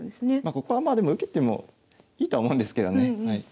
ここはまあでも受けてもいいとは思うんですけどね。